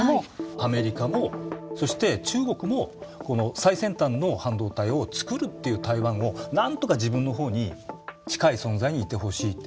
アメリカもそして中国も最先端の半導体をつくるっていう台湾をなんとか自分の方に近い存在にいてほしいと。